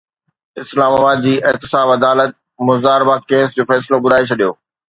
اسلام آباد جي احتساب عدالت مضاربہ ڪيس جو فيصلو ٻڌائي ڇڏيو